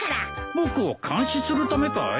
僕を監視するためかい？